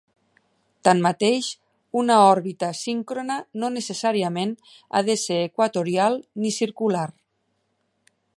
Tanmateix, una òrbita síncrona no necessàriament ha de ser equatorial ni circular.